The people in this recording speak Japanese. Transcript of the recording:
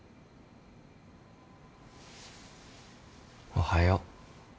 おはよう。